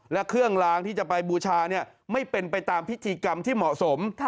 และเครื่องล้างที่จะไปบูชาไม่เป็นไปตามพิธีกรรมที่เหมาะสม